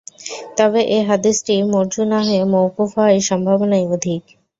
তবে এ হাদীসটি মরযূ না হয়ে মওকূফ হওয়ার সম্ভাবনাই অধিক।